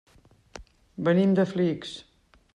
Venim de Flix.